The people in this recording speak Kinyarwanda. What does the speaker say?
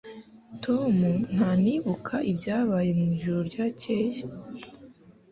Tom ntanibuka ibyabaye mwijoro ryakeye